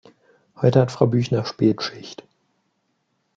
Heute hat Frau Büchner Spätschicht.